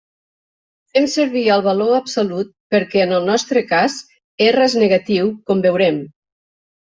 Fem servir el valor absolut perquè, en el nostre cas, R és negatiu, com veurem.